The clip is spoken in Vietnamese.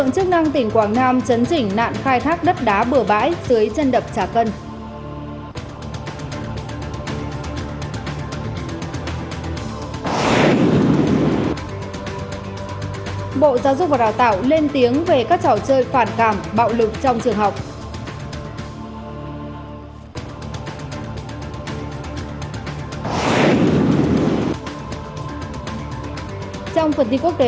cảm ơn các bạn đã theo dõi